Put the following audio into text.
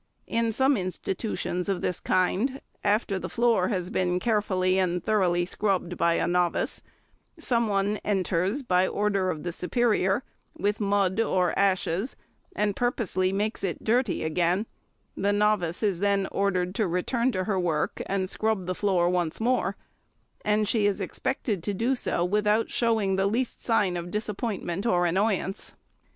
In some institutions of this kind, after the floor has been carefully and thoroughly scrubbed by a novice, some one enters, by order of the Superior, with mud or ashes, and purposely makes it dirty again; the novice is then ordered to return to her work and scrub the floor once more, and she is expected to do so without showing the least sign of disappointment or annoyance.